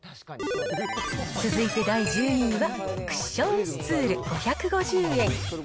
続いて第１２位はクッションスツール５５０円。